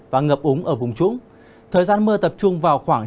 và ngập úng ở vùng trũng thời gian mưa tập trung vào khoảng